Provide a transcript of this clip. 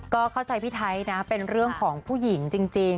ก็เข้าใจพี่ไทยนะเป็นเรื่องของผู้หญิงจริง